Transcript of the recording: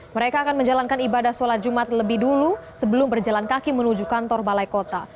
mereka akan menjalankan ibadah sholat jumat lebih dulu sebelum berjalan kaki menuju kantor balai kota